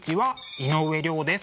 井上涼です。